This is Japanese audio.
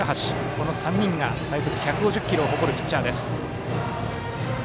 この３人が最速１５０キロを誇るピッチャーです。